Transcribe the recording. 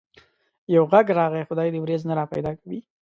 يو غږ راغی: خدای دي وريځ نه را پيدا کوي.